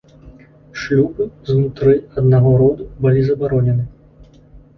Шлюбы знутры аднаго роду былі забаронены.